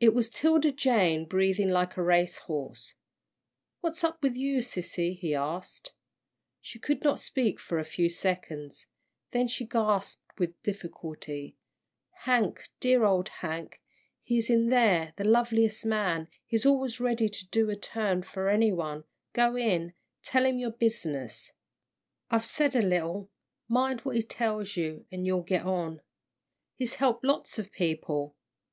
It was 'Tilda Jane, breathing like a race horse. "What's up with you, sissy?" he asked. She could not speak for a few seconds, then she gasped with difficulty, "Hank, dear old Hank, he's in there the loveliest man he's always ready to do a turn for any one go in tell him your business. I've said a little, mind what he tells you, an' you'll get on. He's helped lots of people.